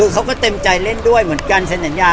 คะก็เต็มใจเล่นด้วยเช่นอย่างการสัญญา